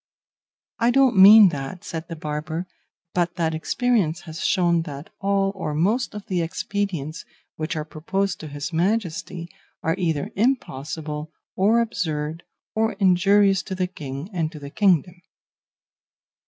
"I don't mean that," said the barber, "but that experience has shown that all or most of the expedients which are proposed to his Majesty are either impossible, or absurd, or injurious to the King and to the kingdom."